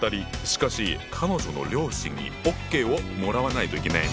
しかし彼女の両親にＯＫをもらわないといけない。